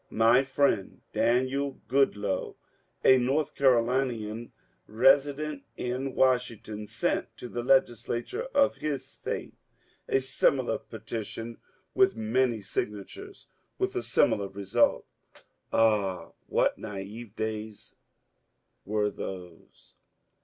My friend Daniel Goodloe, a North Carolinian resident in Washington, sent to the Legislature of his State a similar petition with many signatures, with a similar result. Ah, *what naive days were those